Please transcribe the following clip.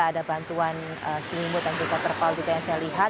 ada bantuan selimut dan juga terpal juga yang saya lihat